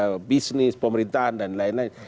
akses ekonomi akses bisnis pemerintahan dan lain lain